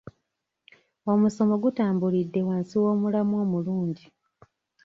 Omusomo gutambulidde wansi w'omulamwa omulungi.